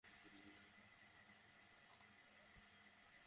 অর্থাৎ দেশের জন্য, জনগণের জন্য আরও দুর্দিন আরও অমঙ্গল অপেক্ষা করছে।